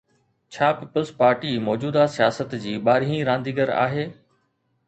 ڇا peoples party موجوده سياست جي ٻارهين رانديگر آهي؟